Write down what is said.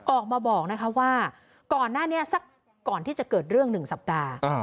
ออกมาบอกนะคะว่าก่อนหน้านี้สักก่อนที่จะเกิดเรื่อง๑สัปดาห์